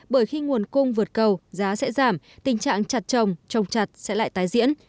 bởi khi nguồn cung vượt cầu giá sẽ giảm tình trạng chặt trồng trồng chặt sẽ lại tái diễn